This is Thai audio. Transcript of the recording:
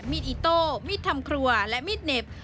อิโต้มีดทำครัวและมีดเหน็บ